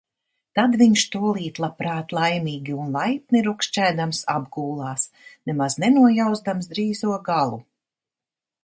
Tad viņš tūlīt labprāt laimīgi un laipni rukšķēdams apgūlās, nemaz nenojauzdams drīzo galu.